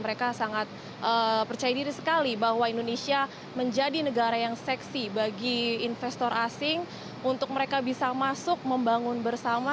mereka sangat percaya diri sekali bahwa indonesia menjadi negara yang seksi bagi investor asing untuk mereka bisa masuk membangun bersama